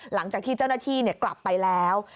หลังจากที่เจ้าหน้าที่กลับไปแล้ว